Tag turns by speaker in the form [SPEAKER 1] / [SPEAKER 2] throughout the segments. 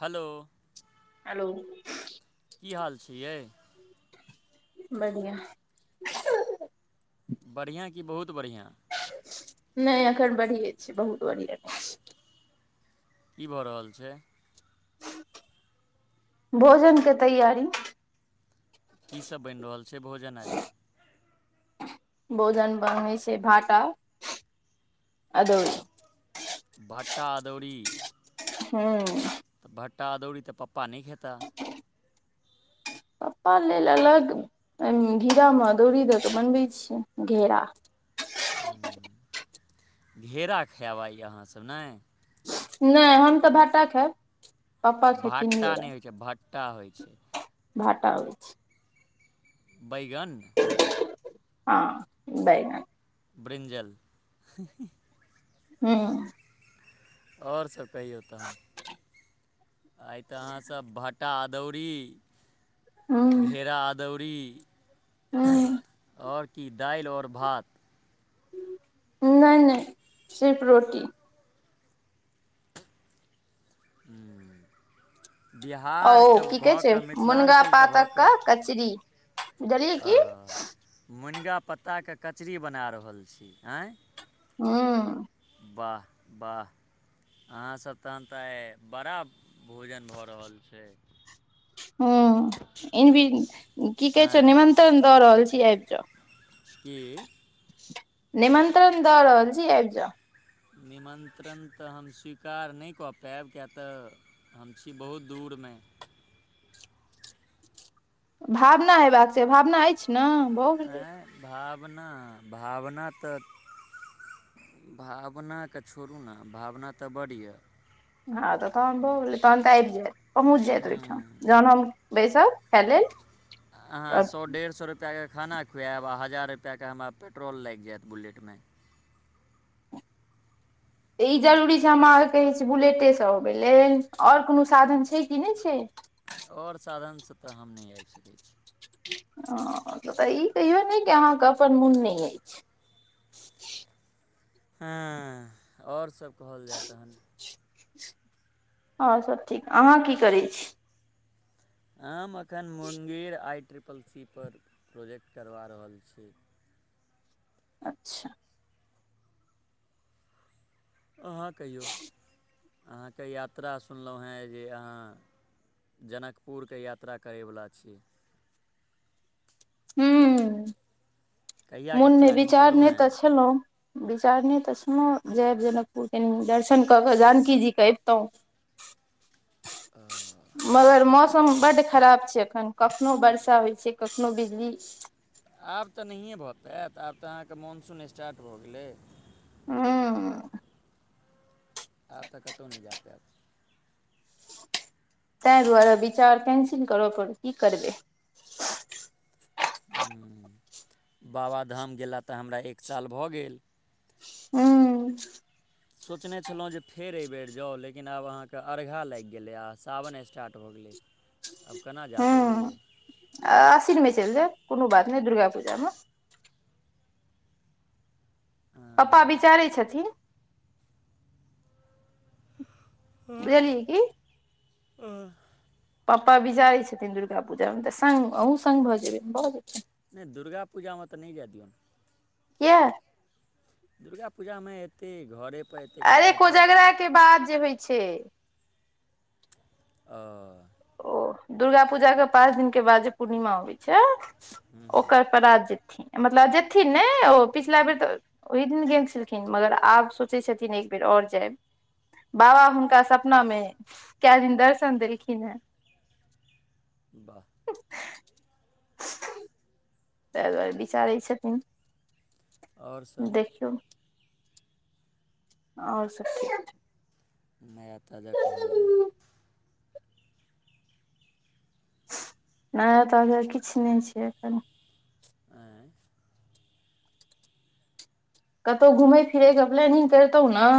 [SPEAKER 1] Hello
[SPEAKER 2] hello
[SPEAKER 1] की हाल छियै
[SPEAKER 2] बढ़िआ
[SPEAKER 1] बढ़िआँ कि बहुत बढ़िआँ
[SPEAKER 2] नहि एखन बढ़िए छै बहुत बढ़िआँ
[SPEAKER 1] क भऽ रहल छै
[SPEAKER 2] भोजनके तैयारी
[SPEAKER 1] की सब बनि रहल छै भोजन आइ
[SPEAKER 2] भोजन बनै छै भाटा अदौरी
[SPEAKER 1] भटा अदौरी
[SPEAKER 2] हूं
[SPEAKER 1] तऽ भट्टा दौरी तऽ पप्पा नहि खेताह
[SPEAKER 2] पप्पा लेल अलग घेरा मे अदौरी दऽ कऽ बनबैत छियै घेरा
[SPEAKER 1] ह घेरा खायब आय अहाँ सब ने
[SPEAKER 2] नहि हम तऽ भाटा खब
[SPEAKER 1] भट्टा नहि होइत छै भट्टा होइत छै
[SPEAKER 2] भाटा होइ छै
[SPEAKER 1] बैगन
[SPEAKER 2] हँ बाय
[SPEAKER 1] ब्रिंजल
[SPEAKER 2] हू
[SPEAKER 1] आओर सभ कहियो तहन आइ तऽ अहाँसभ भाटा अदौरी
[SPEAKER 2] ह
[SPEAKER 1] घेरा अदौरी।
[SPEAKER 2] ह्म
[SPEAKER 1] आओर की दालि और भात।
[SPEAKER 2] नहि नहि सिर्फ रोटी ओ
[SPEAKER 1] बिहार के
[SPEAKER 2] की कहै
[SPEAKER 1] भऽ
[SPEAKER 2] छै
[SPEAKER 1] कऽ
[SPEAKER 2] मुनगा
[SPEAKER 1] मिथिलांचल के भऽ
[SPEAKER 2] पातक
[SPEAKER 1] कऽ
[SPEAKER 2] कचरी बुझलियै की
[SPEAKER 1] ओ मुनगाक पत्ताक कचरी बना रहल छी, आँय।
[SPEAKER 2] हँ
[SPEAKER 1] वाह वाह अहाँसभके तऽ आइ बड़ा भोजन भऽ रहल छै।
[SPEAKER 2] हँ, की कहै छ?
[SPEAKER 1] आँय
[SPEAKER 2] निमंत्रण दऽ रहल छी, आबि जो।
[SPEAKER 1] के
[SPEAKER 2] निमंत्रण दऽ रहल छी, आबि जाउ।
[SPEAKER 1] निमन्त्रण तऽ हम स्वीकार नहि कऽ पायब, किएक तऽ हम छी बहुत दूरमे।
[SPEAKER 2] भावना होबाक छै, भावना अछि ने। भऽ गेलै
[SPEAKER 1] आँय, भावना भावना तऽ। भावना केँ छोड़ू ने, भावना तऽ बड्ड अछि।
[SPEAKER 2] हँ तऽ तहन भऽ गेलै, तहन तऽ आबि जायत, पहुँच जायत ओहिठाम जहन हम। बैसत, खा लेत।
[SPEAKER 1] हँ, सए डेढ़ सए रुपैआ। रुपैआके खाना खुआएब आ हजार रुपैआके हमरा पेट्रोल लागि जायत बुलेटमे।
[SPEAKER 2] तऽ ई जरूरी छै? हमरा अहाँकेँ कहै छी बुलेटेसँ अबै लेल, आओर कोनो साधन छै कि नहि छै?
[SPEAKER 1] आओर साधनसँ तऽ हम नहि आबि सकै छी।
[SPEAKER 2] हँ, तऽ ई कहियौ नहि जे अहाँके अपन मोन नहि अछि।
[SPEAKER 1] हँ, आओर सभ कहल जाय तऽ हँ।
[SPEAKER 2] ओर सभ ठीक, अहाँ की करै छी?
[SPEAKER 1] हम एखन मुंगेर आइ ट्रिपल सी पर प्रोजेक्ट करबा रहल छी।
[SPEAKER 2] अच्छा
[SPEAKER 1] अहाँ कहियौ, अहाँके यात्रा सुनलहुँ हेँ जे अहाँ जनकपुरके यात्रा करैवला छी।
[SPEAKER 2] हँ,
[SPEAKER 1] कहियाके
[SPEAKER 2] मनमे
[SPEAKER 1] प्लानिंग
[SPEAKER 2] विचार
[SPEAKER 1] केलहुँ हेँ
[SPEAKER 2] नहि छलहुँ। विचार ने तऽ ओहनो जायब, जनकपुर कनि दर्शन कऽ कऽ जानकी जीकेँ अबितहुँ।
[SPEAKER 1] [inaudible]
[SPEAKER 2] मगर मौसम बड्ड खराब छै। एखन कखनो वर्षा होइ छै, कखनो बिजली।
[SPEAKER 1] आब तऽ नहिए भऽ पाबै, आब तऽ अहाँकेँ मॉनसून स्टार्ट भऽ गेलै।
[SPEAKER 2] ह
[SPEAKER 1] आब तक कतहु नहि जा पेब
[SPEAKER 2] तेहि दुआरे विचार कैंसिल करऽ पड़त, की करबै।
[SPEAKER 1] बाबाधाम गेलासँ हमरा एक साल भऽ गेल।
[SPEAKER 2] हू
[SPEAKER 1] सोचने छलहुँ जे फेर एहिबेर जाउ, लेकिन आब अहाँकेँ अर्घा लागि गेलै आ सावन स्टार्ट भऽ गेलै। आब केना जा पयबैये।
[SPEAKER 2] आ अश्विनमे चलि जाउ, कोनो बात नहि, दुर्गा पूजामे। पप्पा
[SPEAKER 1] अँ,
[SPEAKER 2] विचारै छथिन। बुझलियै कि।
[SPEAKER 1] हू
[SPEAKER 2] पप्पा विचारैत छथिन, दुर्गा पूजामे तऽ सङ्ग अहूँ सङ्ग भऽ जेबै, भऽ जेतै।
[SPEAKER 1] नहि, दुर्गा पूजामे तऽ नहि जाय दियौन।
[SPEAKER 2] किया
[SPEAKER 1] दुर्गा पूजामे एतेक घरे
[SPEAKER 2] अरे, कोजगराके बाद जे होइ छै।
[SPEAKER 1] ओ
[SPEAKER 2] ओ दुर्गा पूजाके पाँच दिनक बाद जे पूर्णिमा होइ छै,
[SPEAKER 1] हूँ हूँ
[SPEAKER 2] ओकर परात जे। मतलब, जेथिन ने ओ, पिछिला बेर तऽ। ओहि दिन गेल छलखिन, मगर आब सोचैत छथिन एक बेर आओर जायब। बाबा हुनका सपना मे कोन दिन दर्शन देलखिन हे?
[SPEAKER 1] वाह
[SPEAKER 2] तेहि दुआरे विचारै छथिन।
[SPEAKER 1] आओर सभ।
[SPEAKER 2] देखियौ आओर सभ ठीक छै।
[SPEAKER 1] नया ताजा कहल जाय।
[SPEAKER 2] नया ताजा किछु नहि छै एखन।
[SPEAKER 1] आय
[SPEAKER 2] कतहु घुमै फिरैके प्लानिंग करतौ ने?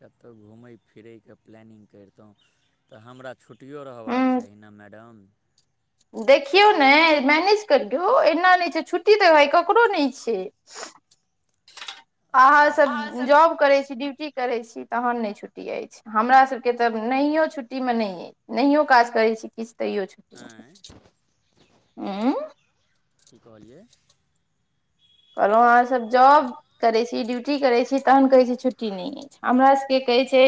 [SPEAKER 1] कतहु घुमय फिरयके प्लानिंग करितहुँ तऽ हमरा। छुट्टियो रहबाक
[SPEAKER 2] उं
[SPEAKER 1] चाही ने, मैडम।
[SPEAKER 2] देखियौ ने, मैनेज करियौ। एना नहि छै, छुट्टी तऽ भाय ककरो नहि छै।
[SPEAKER 1] अच्छा
[SPEAKER 2] अहाँ
[SPEAKER 1] आब
[SPEAKER 2] सभ जॉब करै छी, ड्यूटी। करै छी तऽ छुट्टी नहि छै, हमरा सबके तऽ नहियो छुट्टीमे नहि यै। नहियो काज करैत छी, किछु तैयो छुट्टी।
[SPEAKER 1] आँय की कहलियै?
[SPEAKER 2] कहलहुँ अहाँसभ जाॅब। करै छी ड्यूटी, करै छी, तखन कहै छी छुट्टी नहि अछि, हमरा सभके कहै छै।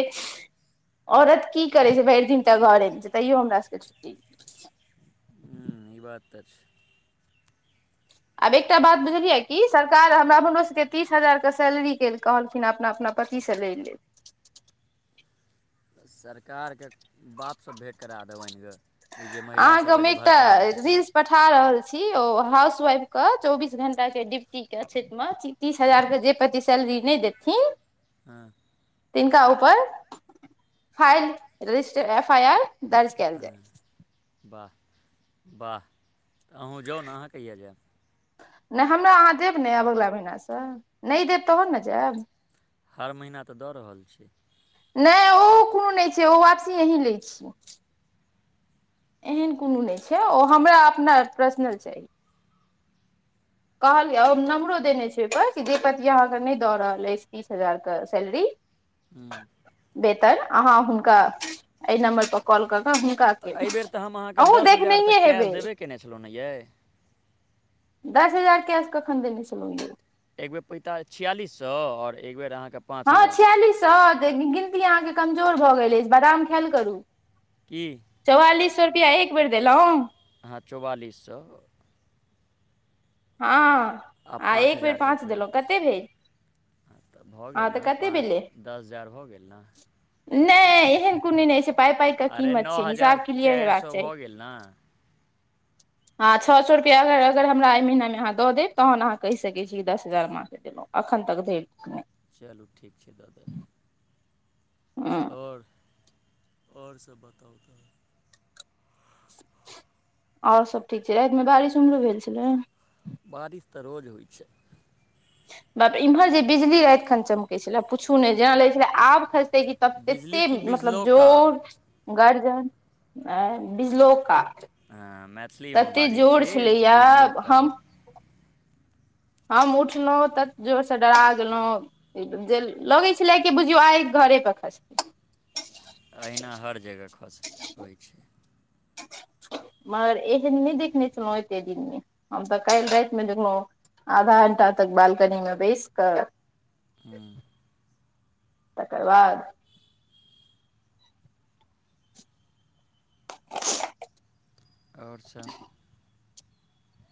[SPEAKER 2] औरत की करै छै भरि दिन तऽ घरे छै, तैयो हमरा सभके छुट्टी अछि।
[SPEAKER 1] ह्म ई बात तऽ छै।
[SPEAKER 2] आब एकटा बात बुझलियै की सरकार हमरा हमरो सभकेँ तीस हजारके सैलरी केल। कहलखिन, अपना अपना पतिसँ लै लेब।
[SPEAKER 1] सरकारके बापसँ भेँट करा देब, आनि यऽ। ई जे महिला
[SPEAKER 2] अहाँके
[SPEAKER 1] सभके
[SPEAKER 2] हम
[SPEAKER 1] जे
[SPEAKER 2] एकटा
[SPEAKER 1] भड़काबै छथिन।
[SPEAKER 2] रील्स पठा रहल छी, ओ हाउसवाइफके चौबीस घंटा के ड्यूटीके क्षेत्रमे छी। तीस हजारके जे प्रति सैलरी नहि देथिन।
[SPEAKER 1] हँ
[SPEAKER 2] तिनका ऊपर फाइल, रजिस्टर, एफआइआर।
[SPEAKER 1] हँ, वाह वाह! तऽ अहूँ जाउ ने, अहाँ कहिआ जायब?
[SPEAKER 2] नहि, हमरा अहाँ देब ने, आयब अगिला महिनासँ। नहि देब तऽ नहि जायब।
[SPEAKER 1] हर महीना तऽ दऽ रहल छी।
[SPEAKER 2] नहि, ओ कोनो नहि छै, ओ वापसी अहिँ लै छ। एहन कोनो नहि छै, ओ हमरा अपना पर्सनल छै। कहलियै, ओहि नम्बरो देने छै, ओहिपर कि देहपति अहाँकेँ नहि दऽ रहल अछि? तीस हजार क सैलरी
[SPEAKER 1] हू
[SPEAKER 2] बेहतर, अहाँ हुनका एहि नम्बर पर कॉल कऽ कऽ हुनका के
[SPEAKER 1] तऽ एहिबेर
[SPEAKER 2] अहूँ देखने हेबै।
[SPEAKER 1] केने छलहुँ हँ यै?
[SPEAKER 2] दस हजार कैश कखन देने छलहुँ यै?
[SPEAKER 1] एक बेर पाँच हजार चारि सए आओर एक बेर अहाँकेँ।
[SPEAKER 2] हँ, छियालीस सए तऽ गिनती अहाँके कमजोर भऽ गेल अछि, बादाम खायल करू।
[SPEAKER 1] की
[SPEAKER 2] चौआलीस सौ रुपैआ एक बेर देलहुँ
[SPEAKER 1] हाँ चौवालिस सौ
[SPEAKER 2] हँ आ एक बेर पाँच देलहुँ कतेक भेल
[SPEAKER 1] हँ तऽ भऽ
[SPEAKER 2] हँ
[SPEAKER 1] गेल
[SPEAKER 2] तऽ
[SPEAKER 1] ने
[SPEAKER 2] कते भेलै
[SPEAKER 1] पाँच दस हजार भऽ गेल ने
[SPEAKER 2] नहि एहन कोनो नहि छै पाइ पाइके
[SPEAKER 1] अरे
[SPEAKER 2] कीमत
[SPEAKER 1] नओ
[SPEAKER 2] छै
[SPEAKER 1] हजार
[SPEAKER 2] हिसाब किलियर
[SPEAKER 1] चारि
[SPEAKER 2] हेबाक
[SPEAKER 1] सए
[SPEAKER 2] चाही
[SPEAKER 1] भऽ गेल ने
[SPEAKER 2] हँ छओ सौ रुपआ अगर हमरा अइ महीना अहाँ दऽ देब तहन अहाँ कहि सकै छी दस हजार हम अहाँ के देलहुँ अखन तक धरि नहि
[SPEAKER 1] चलू ठीक छै दऽ देब
[SPEAKER 2] हँ
[SPEAKER 1] आओर आओर सभ बताउ तऽ
[SPEAKER 2] आओर सब ठीक छै रातिमे बारिश उम्हरो भेल छलै
[SPEAKER 1] बारिश तऽ रोज होइ छै
[SPEAKER 2] बापरे इम्हर जे बिजली राति खन चमकै छलै पूछू नहि जेना लगै छलै आब खसतै कि तब
[SPEAKER 1] बिजली
[SPEAKER 2] एते
[SPEAKER 1] की
[SPEAKER 2] मतलब
[SPEAKER 1] बिजलौका
[SPEAKER 2] जोर गर्जन बिजलोका
[SPEAKER 1] हँ मैथिलीमे
[SPEAKER 2] तते
[SPEAKER 1] बाजै
[SPEAKER 2] जोर
[SPEAKER 1] छियै
[SPEAKER 2] छलैया
[SPEAKER 1] बिजलोका
[SPEAKER 2] हम
[SPEAKER 1] भी
[SPEAKER 2] हम उठलहुँ तत जोरसँ डरा गेलहुँ जे लगै छलैये कि बुझियौ आइ घरे पर खसतै
[SPEAKER 1] अहिना हर जगह खसैत होइ छै
[SPEAKER 2] मगर एहन नहि देखने छलै ऐते दिनमे हम तऽ काल्हि राति मे देखलहुँ आधा घंटा तक बालकनी मे बैसि कऽ
[SPEAKER 1] हूंम्म
[SPEAKER 2] तकर बाद
[SPEAKER 1] आओर सब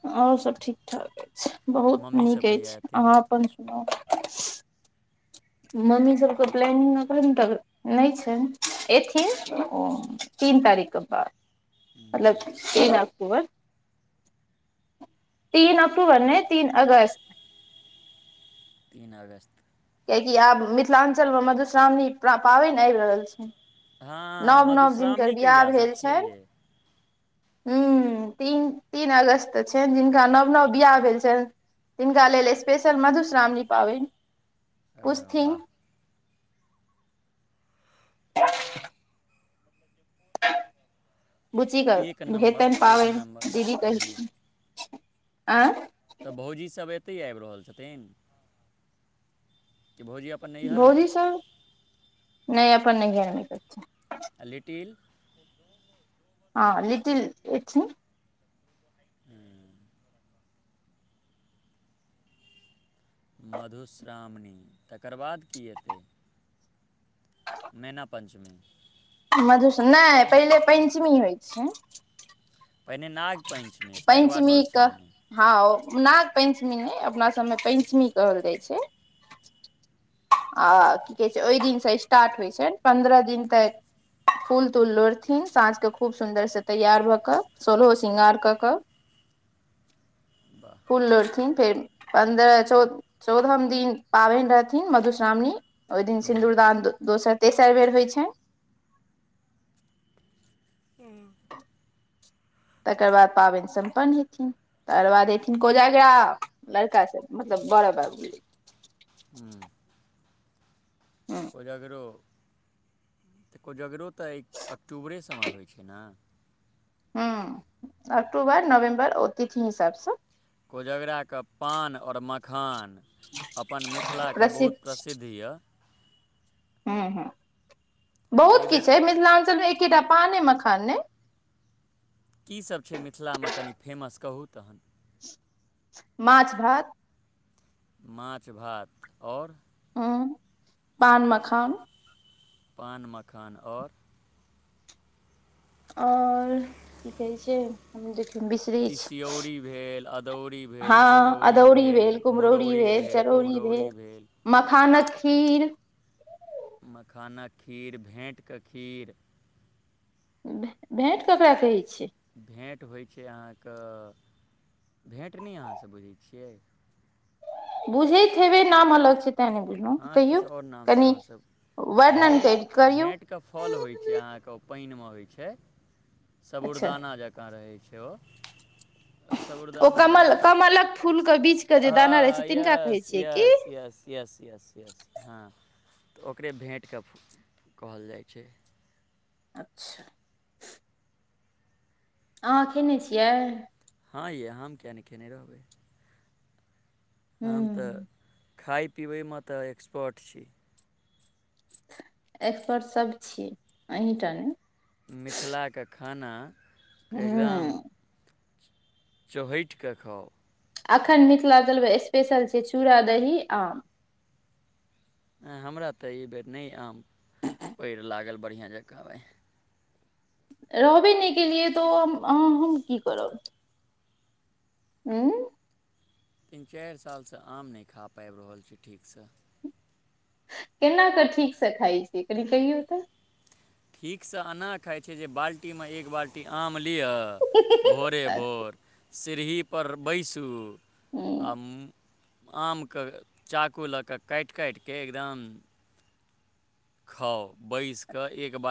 [SPEAKER 2] आओर सब ठीक ठाक अछि बहुत
[SPEAKER 1] मम्मी
[SPEAKER 2] नीक
[SPEAKER 1] सब
[SPEAKER 2] अछि
[SPEAKER 1] कहिया एथिन
[SPEAKER 2] अहाँ अपन मम्मी सबके प्लनिंग तक नहि छै एथिन ओ तीन तारीखके बाद मतलब तीन अक्टूबर तीन अक्टूबर नहि तीन अगस्त
[SPEAKER 1] तीन अगस्त
[SPEAKER 2] कियकि आब मिथिलाञ्चल मे मधुश्रावणी पाबनि आबि रहल छै
[SPEAKER 1] हँ
[SPEAKER 2] नव नव
[SPEAKER 1] मधुश्रावणी
[SPEAKER 2] जिनकर बिवाह
[SPEAKER 1] कहियासँ
[SPEAKER 2] भेल
[SPEAKER 1] छियै
[SPEAKER 2] छैन
[SPEAKER 1] ये
[SPEAKER 2] ह्म तीन तीन अगस्त त छनि जिनका नव नव बिवाह भेल छनि तिनका लेल स्पेशल मधुश्रावणी पाबनि
[SPEAKER 1] अ,
[SPEAKER 2] पुछथिन
[SPEAKER 1] वाह
[SPEAKER 2] बुचीे
[SPEAKER 1] एक
[SPEAKER 2] कऽ
[SPEAKER 1] नम्बर
[SPEAKER 2] हेतन
[SPEAKER 1] एक नम्बर
[SPEAKER 2] पाबनि दीदी
[SPEAKER 1] हूँ
[SPEAKER 2] कहैत आँय
[SPEAKER 1] तब भउजी सब ऐतै आइब रहल छथिन कि भउजी अप
[SPEAKER 2] भउजी सब नहि अपन नहियर मे गेल छै
[SPEAKER 1] आ लिटिल
[SPEAKER 2] हँ लिटिल एथिन
[SPEAKER 1] हूंम्म मधुश्रावणी तकर बाद की एतै मैना पञ्चमी
[SPEAKER 2] मधुश्र नहि पहिले पञ्चमी होइत छै
[SPEAKER 1] पहिने नागपञ्चमी तकर बाद
[SPEAKER 2] पञ्चमी के
[SPEAKER 1] मधुश्रावणी
[SPEAKER 2] हँ ओ नाग पञ्चमी नहि अपना सभमे पञ्चमी कहल जाइत छै आ की कहै छै ओहि दिनसँ स्टार्ट होइ छनि पन्द्रह दिन तक फूल तूल लोढ़थिन साँझ के खूब सुन्दर से तैयार भऽ कऽ सोलहो श्रृंगार कऽ कऽ
[SPEAKER 1] वाह
[SPEAKER 2] फुल लोढ़थिन फेर पन्द्रह चौ चौदहम दिन पाबनि रहथिन मधुश्रावणी ओहि दिन
[SPEAKER 1] हूँ
[SPEAKER 2] सिन्दूरदान दोसर तेसर बेर होइत छै
[SPEAKER 1] हुँ
[SPEAKER 2] तकर बाद पाबनि सम्पन्न हेथिन तकर बाद एयथिन कोजागरा लड़का सब मतलब बड़ बाबू
[SPEAKER 1] हूँ
[SPEAKER 2] ह
[SPEAKER 1] कोजगरो तऽ कोजगरो तऽ अक्टूबरे सभमे होइ छै ने
[SPEAKER 2] हँ अक्टोबर नवेम्बर ओ तथि हिसाबसँ
[SPEAKER 1] कोजग्रा के पान और मखान अपन मिथिलाके बहुत प्रसिद्ध यए
[SPEAKER 2] हूँ हूँ बहुत
[SPEAKER 1] एहिबेर
[SPEAKER 2] किछु अइ मिथिलाञ्चलमे एकेटा पान अइ मखान नहि
[SPEAKER 1] की सब छै मिथिलामे कनि फेमस कहू तहन
[SPEAKER 2] मान्छ भात
[SPEAKER 1] माछ भात और
[SPEAKER 2] हुँ पान मखान
[SPEAKER 1] पान मखान ओर
[SPEAKER 2] आओर की कहै छै हम देख बिसरी छी
[SPEAKER 1] तिसियौरी भेल अदौरी
[SPEAKER 2] हँ
[SPEAKER 1] भेल चरौरी
[SPEAKER 2] अदौरी भेल कुम्हरौरी
[SPEAKER 1] मुरौरी
[SPEAKER 2] भेल चरौरी भेल
[SPEAKER 1] कुम्हरौरी
[SPEAKER 2] मखानक खीर
[SPEAKER 1] मखानक खीर भेँटके खीर
[SPEAKER 2] भेँट ककरा कहै छै
[SPEAKER 1] भेँट होइ छै अहाँके भेँट नहि अहाँसँ बुझैत छियै
[SPEAKER 2] बुझे हबै नाम अलग छै त नहि ब
[SPEAKER 1] हँ
[SPEAKER 2] कहियौ
[SPEAKER 1] किछु आओर नामसँ
[SPEAKER 2] कनि
[SPEAKER 1] अहाँसब
[SPEAKER 2] वर्णन करियौ
[SPEAKER 1] आई के फल होछइ
[SPEAKER 2] अच्छा
[SPEAKER 1] सबुरदाना जंका का रहै छै ओ
[SPEAKER 2] ओ
[SPEAKER 1] साबुरदाना ने
[SPEAKER 2] कमल कमलक फूल के बीच के जे
[SPEAKER 1] हँ
[SPEAKER 2] दाना रहै छै तिनका कहै
[SPEAKER 1] यस
[SPEAKER 2] छियै की
[SPEAKER 1] yes yes yes yes yes हँ तऽ ओकरे भेँटके कहल जाइ छै
[SPEAKER 2] अच्छा अहाँ खेने छियै
[SPEAKER 1] हँ य हम किए नहि खेने रहबै हम तऽ
[SPEAKER 2] हूँ
[SPEAKER 1] खााय पिबैमे तऽ एक्सपर्ट छी
[SPEAKER 2] एक्सपर्ट सब छियै अहीं टा ने
[SPEAKER 1] मिथिलाके खाना एकदम
[SPEAKER 2] हूँ
[SPEAKER 1] चहटिकऽ खाउ
[SPEAKER 2] अखन मिथिलाञ्चलमे स्पेशल छै चूड़ा दही आम
[SPEAKER 1] आ हमरा तऽ एहि बेर नहि आम पएर लागल बढ़िआँ जँकाँ अइ
[SPEAKER 2] रहबे नहि केलियै तऽ हम अ हम की करब उू
[SPEAKER 1] तीन चारि सालसँ आम नहि खा पाबि रहल छै ठीकसँ
[SPEAKER 2] केना कऽ ठीकसँ खाइ छियै कनि कहियौ तऽ
[SPEAKER 1] ठीक से एना खाय छै जे बाल्टी मे एक बाल्टी आम लियअ भोरे भोर सीरहीपर बैसू
[SPEAKER 2] हूँ
[SPEAKER 1] हम आमके चाकू लऽ कऽ काट काट कऽ एकदम खाउ बैस कऽ एक बाल्टी